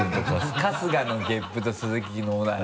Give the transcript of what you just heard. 春日のゲップと鈴木のオナラ。